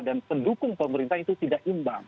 dan pendukung pemerintah itu tidak imbang